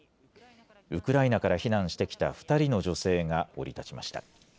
ウクライナから避難してきた２人の女性が降り立ちました。